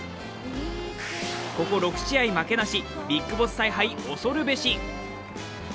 ここ６試合負けなし、ビッグボス采配おそるべし。